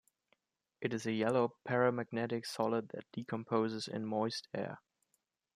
It is a yellow paramagnetic solid that decomposes in moist air.